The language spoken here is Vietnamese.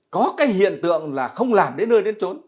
có cái hiện tượng là không làm đến nơi đến trốn